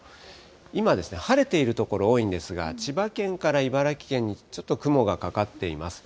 今ですね、晴れている所多いんですが、千葉県から茨城県にちょっと雲がかかっています。